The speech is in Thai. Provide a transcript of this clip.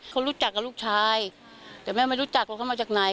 เขารู้จักกับลูกชายแต่แม่ไม่รู้จักว่าเขามาจากไหน